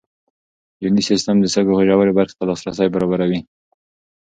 یوني سیسټم د سږو ژورې برخې ته لاسرسی برابروي.